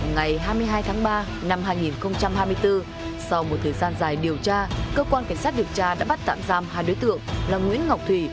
ngày hai mươi hai tháng ba năm hai nghìn hai mươi bốn sau một thời gian dài điều tra cơ quan cảnh sát điều tra đã bắt tạm giam hai đối tượng là nguyễn ngọc thủy